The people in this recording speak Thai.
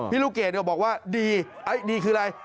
ลูกเกดบอกว่าดีดีคืออะไร